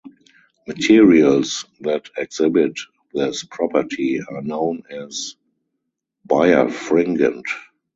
Materials that exhibit this property are known as Birefringent.